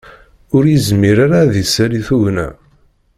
Ur yezmir ara ad d-isali tugna